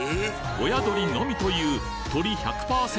親鶏のみというトリ１００％